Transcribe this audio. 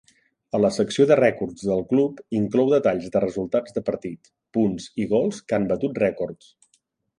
La secció de rècords del club inclou detalls de resultats de partit, punts i gols que han batut rècords.